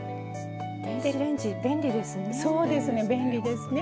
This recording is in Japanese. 電子レンジ便利ですね。